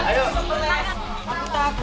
eh coba lihat aku